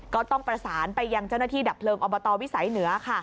ก็ต้องประสานไปยังเจ้าหน้าที่ดับเพลิงอบตวิสัยเหนือ